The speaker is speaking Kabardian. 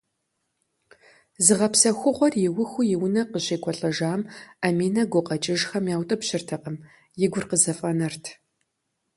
Зыгъэпсэхугъуэр иухыу и унэ къыщекӏуэлӏэжам, Аминэ гукъэкӏыжхэм яутӏыпщыртэкъым, и гур къызэфӏэнэрт.